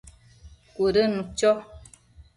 Cuëdënnu cho